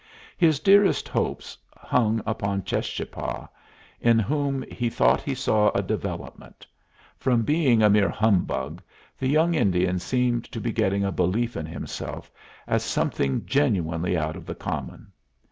His dearest hopes hung upon Cheschapah, in whom he thought he saw a development. From being a mere humbug, the young Indian seemed to be getting a belief in himself as something genuinely out of the common.